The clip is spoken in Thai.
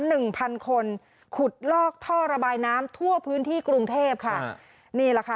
หนึ่งพันคนขุดลอกท่อระบายน้ำทั่วพื้นที่กรุงเทพค่ะนี่แหละค่ะ